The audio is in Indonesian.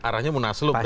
aranya munaslup berarti